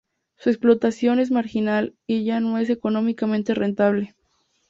Su explotación es marginal y ya no es económicamente rentable.